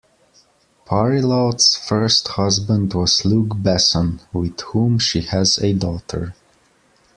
Parillaud's first husband was Luc Besson, with whom she has a daughter.